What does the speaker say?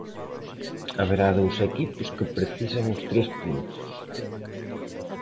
Haberá dous equipos que precisan os tres puntos.